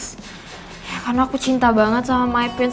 ya karena aku cinta banget sama mypants